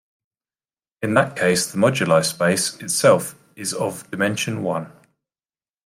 In that case the moduli space itself is of dimension one.